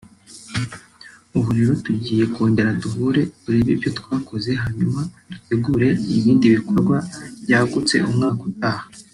ubu rero tugiye kongera duhure turebe uburyo twakoze hanyuma dutegure ibindi bikorwa byagutse umwaka utaha